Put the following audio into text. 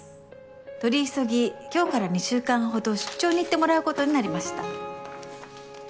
取り急ぎ今日から２週間ほど出張に行ってもらうことになりました。